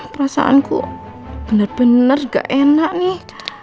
perasaanku bener bener gak enak nih